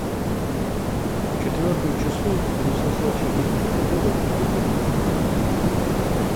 В четвертом часу он услыхал шаги по коридору и выглянул в дверь.